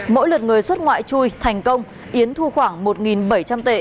mỗi lượt người xuất ngoại chui thành công yến thu khoảng một bảy trăm linh tệ